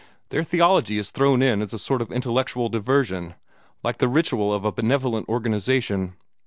Their theology is thrown in as a sort of intellectual diversion, like the ritual of a benevolent organization.